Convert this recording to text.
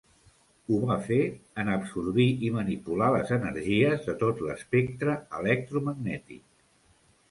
Ho va fer en absorbir i manipular les energies de tot l'espectre electromagnètic.